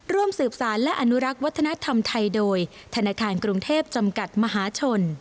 ร่วมสืบสารและอนุรักษ์วัฒนธรรมไทยโดยธนาคารกรุงเทพจำกัดมหาชน